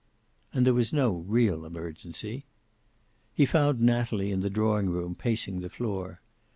And there was no real emergency. He found Natalie in the drawing room, pacing the floor.